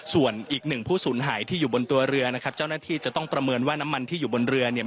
ส่วนอีกหนึ่งผู้สูญหายที่อยู่บนตัวเรือนะครับเจ้าหน้าที่จะต้องประเมินว่าน้ำมันที่อยู่บนเรือเนี่ย